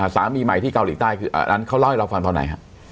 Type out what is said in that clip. สามีใหม่ที่เกาหลีใต้คืออันนั้นเขาเล่าให้เราฟังตอนไหนฮะ